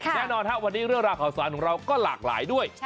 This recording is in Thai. แน่นอนครับวันนี้เรื่องราวข่าวสารของเราก็หลากหลายด้วย